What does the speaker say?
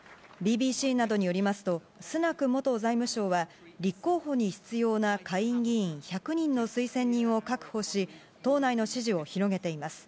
ＢＢＣなどによりますと、スナク元財務相は、立候補に必要な下院議員１００人の推薦人を確保し、党内の支持を広げています。